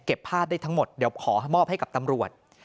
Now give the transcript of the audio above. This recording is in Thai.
ภาพได้ทั้งหมดเดี๋ยวขอมอบให้กับตำรวจ